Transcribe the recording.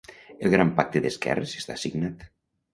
El gran pacte d’esquerres està signat.